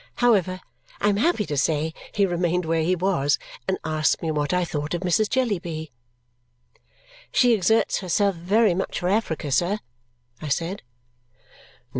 However, I am happy to say he remained where he was, and asked me what I thought of Mrs. Jellyby. "She exerts herself very much for Africa, sir," I said.